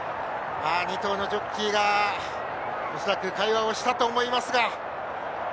２頭のジョッキーが恐らく会話をしたと思いますが。